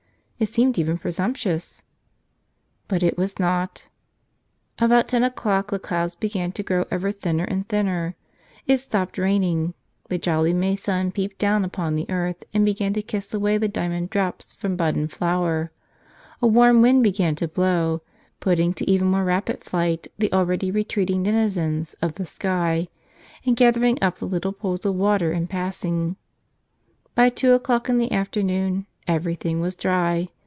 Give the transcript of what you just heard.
It seemed even pre¬ sumptuous. But it was not. About ten o'clock che clouds began to grow ever thinner and thinner; it stopped raining; the jolly May sun peeped down upon the earth and began to kiss away the diamond drops from bud and flower; a warm wind began to blow, putting to even more rapid flight the already retreating denizens of the sky, and gathering up the little pools of water in passing. By two o'clock in the afternoon everything was dry.